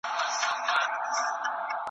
او د کلي اوسېدونکي یې .